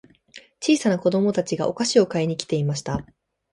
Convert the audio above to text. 小さな子供たちがお菓子を買いに来ていました。